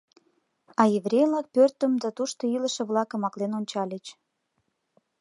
А еврей-влак пӧртым да тушто илыше-влакым аклен ончальыч.